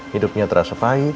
hidupnya terasa pahit